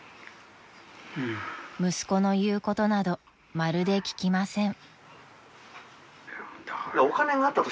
［息子の言うことなどまるで聞きません］